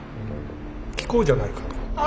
聞こうじゃないかと。